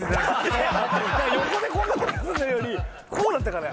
横でこんなことするよりこうだったから。